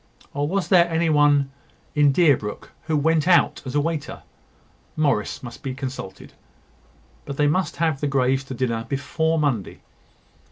Or was there any one in Deerbrook who went out as a waiter? Morris must be consulted; but they must have the Greys to dinner before Monday.